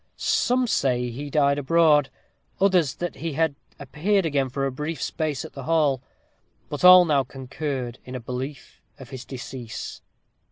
Some said he died abroad. Others, that he had appeared again for a brief space at the hall. But all now concurred in a belief of his decease.